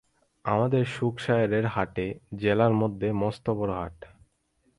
আমাদের শুকসায়রের হাট এ জেলার মধ্যে মস্ত বড়ো হাট।